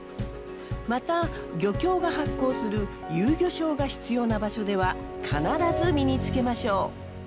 また漁協が発行する遊漁証が必要な場所では必ず身につけましょう。